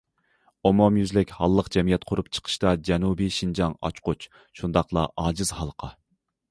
ئومۇميۈزلۈك ھاللىق جەمئىيەت قۇرۇپ چىقىشتا جەنۇبىي شىنجاڭ ئاچقۇچ، شۇنداقلا ئاجىز ھالقا.